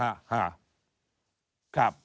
ฮ่าฮ่าครับ